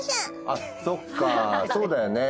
あっそっかそうだよね。